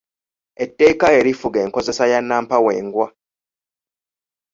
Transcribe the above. Etteeka erifuga enkozesa ya nnampawengwa.